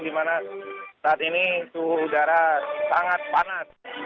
di mana saat ini suhu udara sangat panas